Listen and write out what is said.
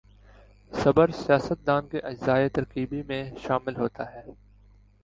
صبر سیاست دان کے اجزائے ترکیبی میں شامل ہوتا ہے۔